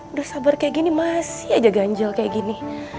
udah sabar kayak gini masih aja ganjal kayak gini